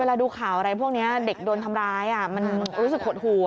ดูข่าวอะไรพวกนี้เด็กโดนทำร้ายมันรู้สึกหดหู